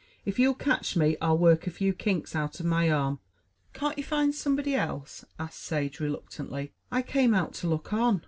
"If you'll catch me, I'll work a few kinks out of my arm." "Can't you find somebody else?" asked Sage reluctantly. "I came out to look on."